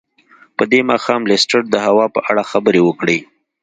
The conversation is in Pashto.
په دې ماښام لیسټرډ د هوا په اړه خبرې وکړې.